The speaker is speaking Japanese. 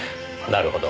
なるほど。